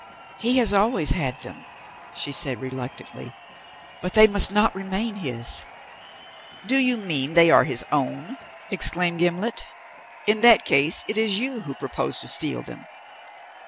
"He has always had them," she said reluctantly; "but they must not remain his." "Do you mean they are his own?" exclaimed Gimblet. "In that case it is you who propose to steal them!"